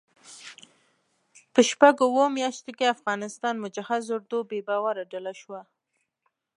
په شپږو اوو میاشتو کې افغانستان مجهز اردو بې باوره ډله شوه.